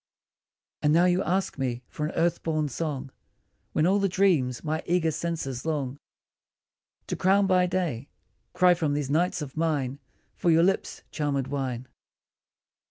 And now you ask me for an earth born song, When all the dreams my eager senses long To crown by day, cry from these nights of mine For your lips' charmed wine.